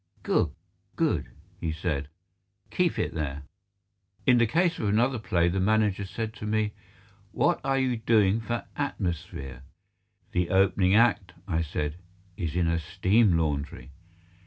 "Good, good," he said; "keep it there." In the case of another play the manager said to me, "What are you doing for atmosphere?" "The opening act," I said, "is in a steam laundry."